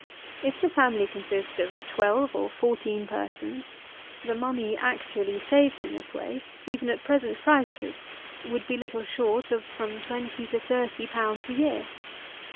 If the family consist of twelve or fourteen persons, the money actually saved in this way (even at present prices) would be little short of from twenty to thirty pounds a year.